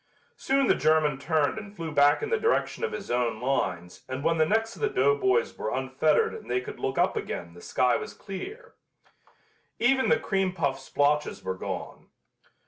Soon the German turned and flew back in the direction of his own lines and when the necks of the doughboys were unfettered and they could look up again the sky was clear. Even the cream puff splotches were gone.